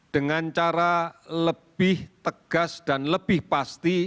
dengan cara lebih tegas dan lebih pasti